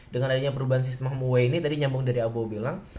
dengan adanya perubahan sistem home and away ini tadi nyambung dari abo bilang